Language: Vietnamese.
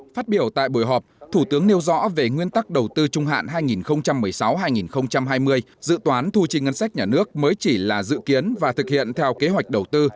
phát biểu tại buổi họp thủ tướng nêu rõ về nguyên tắc đầu tư trung hạn hai nghìn một mươi sáu hai nghìn hai mươi dự toán thu chi ngân sách nhà nước mới chỉ là dự kiến và thực hiện theo kế hoạch đầu tư